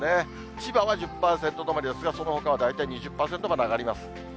千葉は１０％止まりですが、そのほかは大体２０％まで上がります。